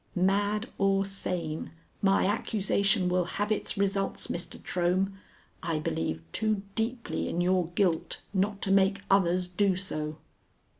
"Mad or sane, my accusation will have its results, Mr. Trohm. I believe too deeply in your guilt not to make others do so."